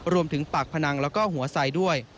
รวมถึงปากพนังแล้วก็หัวไสด้วย